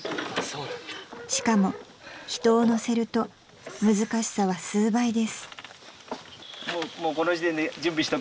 ［しかも人を乗せると難しさは数倍です］